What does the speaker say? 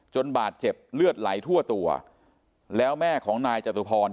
บาดเจ็บเลือดไหลทั่วตัวแล้วแม่ของนายจตุพร